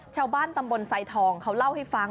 ชาวบ้านตำบลไซทองเขาเล่าให้ฟัง